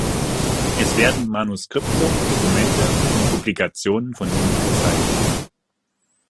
Es werden Manuskripte, Dokumente und Publikationen von ihm gezeigt.